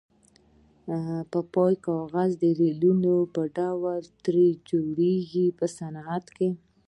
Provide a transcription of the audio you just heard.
په پای کې کاغذ د ریلونو په ډول ترې جوړیږي په صنعت کې.